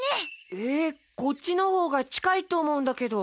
えっこっちのほうがちかいとおもうんだけど。